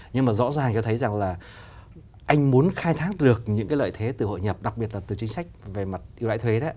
nhưng mà rõ ràng cho thấy rằng là anh muốn khai thác được những cái lợi thế từ hội nhập đặc biệt là từ chính sách về mặt yêu đại thuế đấy